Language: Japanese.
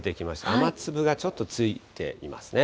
雨粒がちょっとついていますね。